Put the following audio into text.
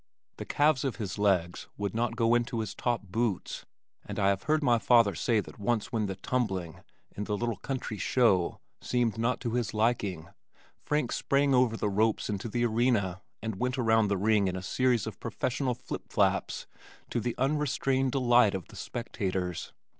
The calves of his legs would not go into his top boots, and I have heard my father say that once when the "tumbling" in the little country "show" seemed not to his liking, Frank sprang over the ropes into the arena and went around the ring in a series of professional flip flaps, to the unrestrained delight of the spectators.